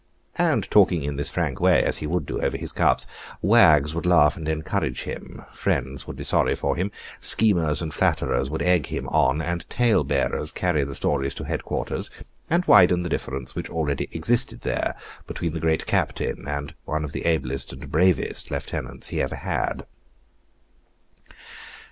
And talking in this frank way, as he would do, over his cups, wags would laugh and encourage him; friends would be sorry for him; schemers and flatterers would egg him on, and tale bearers carry the stories to headquarters, and widen the difference which already existed there, between the great captain and one of the ablest and bravest lieutenants he ever had.